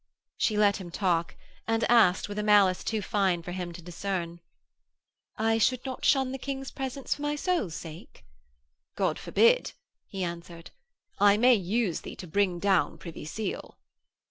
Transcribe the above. She let him talk, and asked, with a malice too fine for him to discern: 'I should not shun the King's presence for my soul's sake?' 'God forbid,' he answered. 'I may use thee to bring down Privy Seal.'